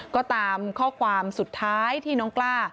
ก็ตามข้อความสุดท้ายที่น้องกล้า